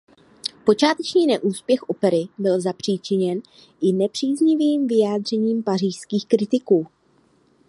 Počáteční neúspěch opery byl zapříčiněn i nepříznivým vyjádřením pařížských kritiků.